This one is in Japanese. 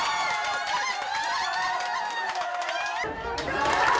やったー！